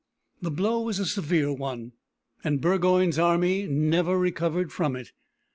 The blow was a severe one, and Burgoyne's army never recovered from it.